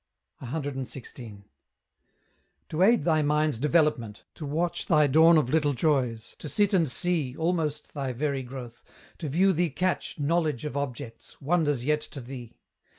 CXVI. To aid thy mind's development, to watch Thy dawn of little joys, to sit and see Almost thy very growth, to view thee catch Knowledge of objects, wonders yet to thee!